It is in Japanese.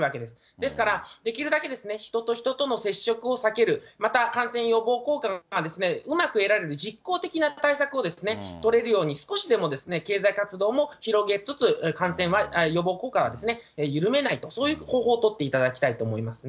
ですから、できるだけ人と人との接触を避ける、また感染予防効果がうまく得られる実効的な対策を取れるように、少しでも経済活動も広げつつ、感染予防効果は緩めないと、そういう方法を取っていただきたいと思いますね。